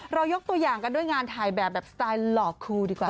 ยกตัวอย่างกันด้วยงานถ่ายแบบแบบสไตล์หลอกครูดีกว่า